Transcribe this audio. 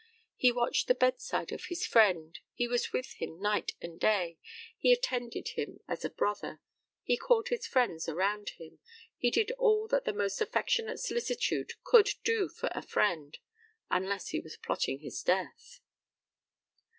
He watched the bedside of his friend. He was with him night and day. He attended him as a brother. He called his friends around him. He did all that the most affectionate solicitude could do for a friend, unless he was plotting his death.